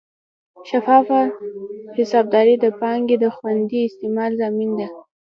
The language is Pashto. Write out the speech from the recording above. شفافه حسابداري د پانګې د خوندي استعمال ضامن ده.